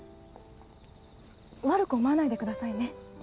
悪く思わないでくださいね。